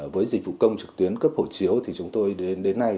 với dịch vụ công trực tuyến cấp hộ chiếu thì chúng tôi đến nay